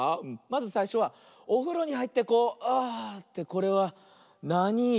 まずさいしょはおふろにはいってこうあってこれはなに「い」？